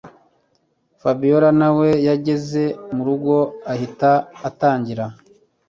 Fabiora nawe yageze murugo ahita atangira